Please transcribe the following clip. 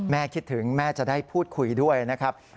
คิดถึงแม่จะได้พูดคุยด้วยนะครับ